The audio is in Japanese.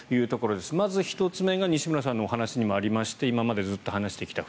まず１つ目が西村さんのお話にもありまして今もずっとお話をしてきました